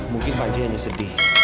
mungkin panji hanya sedih